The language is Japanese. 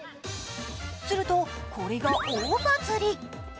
すると、これが大バズり。